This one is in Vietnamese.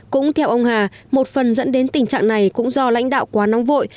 cũng theo ông hà một phần dẫn đến tình trạng này cũng do lãnh đạo quá nóng vội